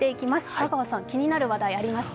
香川さん、気になる話題、ありますか？